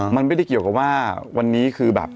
มันไม่ได้เกี่ยวกับว่าวันนี้คือแบบ